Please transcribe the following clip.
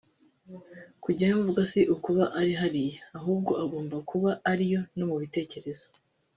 kujyayo mvuga si ukuba uri hariya ahubwo ugomba kuba uriyo no mu bitekerezo